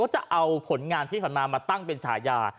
จะเอาผลงานที่ผ่านมามาตั้งเป็นฉายา